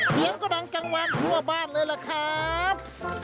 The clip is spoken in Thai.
เสียงก็ดังกลางวันทั่วบ้านเลยล่ะครับ